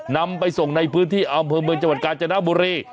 นำไปส่งในพื้นที่อำเภอเมืองจังหวัดกาญจนบุรี